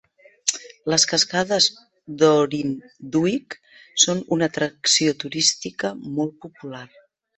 Les cascades d'Orinduik són una atracció turística molt popular.